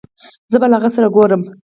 زه به له هغې سره ګورم